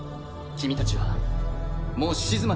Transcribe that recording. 君たちはもう屍澄